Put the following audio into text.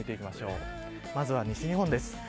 まずは西日本です。